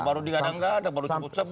kalau baru di gadang gadang baru ceput ceput